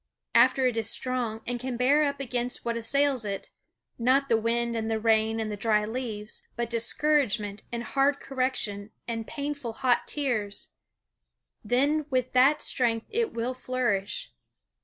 After it is strong and can bear up against what assails it not the wind and the rain and the dry leaves, but discouragement and hard correction and painful hot tears then with that strength it will flourish.